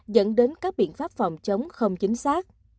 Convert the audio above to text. dẫn đến các biện pháp phòng chống không chính xác